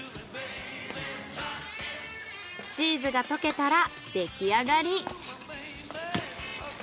チーズが溶けたら出来あがり。